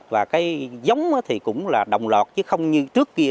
và cái giống thì cũng là đồng lọt chứ không như trước kia